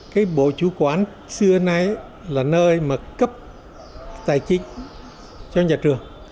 cái bộ chủ quản xưa nay là nơi mà cấp tài chính cho nhà trường